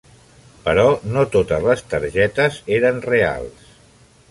Però no totes les targetes eren reals.